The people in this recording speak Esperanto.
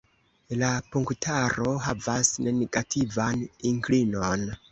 La punktaro havas negativan inklinon.